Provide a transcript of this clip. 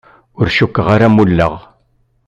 Ur cukkeɣ ara mulleɣ.